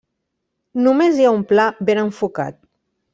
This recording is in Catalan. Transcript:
Només hi ha un pla ben enfocat.